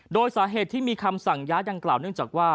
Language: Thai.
โดยสาเหตุที่มีคำสั่งย้ายดังกล่าวเนื่องจากว่า